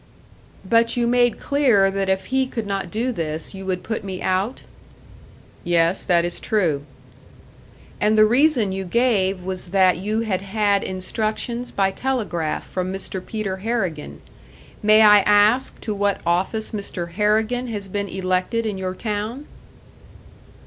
"But you made clear that if he could not do this, you would put me out?" "Yes, that is true." "And the reason you gave was that you had had instructions by telegraph from Mr. Peter Harrigan. May I ask to what office Mr. Harrigan has been elected in your town?"